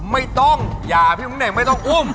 ไม่ต้องอย่าพี่ของเน่งไม่ต้องอุ้ม